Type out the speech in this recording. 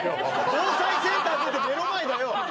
防災センター出て目の前だよ！